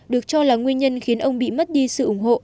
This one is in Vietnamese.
được cho là nguyên nhân khiến ông bị mất đi sự ủng hộ